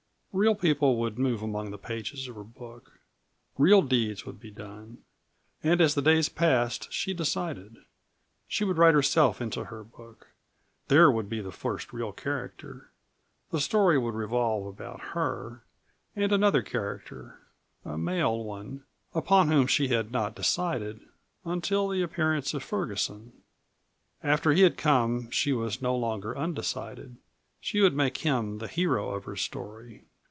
Real people would move among the pages of her book; real deeds would be done. And as the days passed she decided. She would write herself into her book; there would be the first real character. The story would revolve about her and another character a male one upon whom she had not decided until the appearance of Ferguson. After he had come she was no longer undecided she would make him the hero of her story.